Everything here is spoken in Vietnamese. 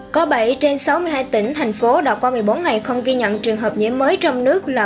có bảy trên sáu mươi hai tỉnh thành phố đã qua một mươi bốn ngày không ghi nhận trường hợp nhiễm mới trong nước là